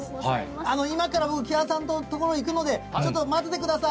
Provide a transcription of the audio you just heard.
今から僕、木原さんの所に行くので、ちょっと待っててください。